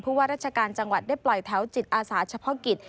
ว่าราชการจังหวัดได้ปล่อยแถวจิตอาสาเฉพาะกิจ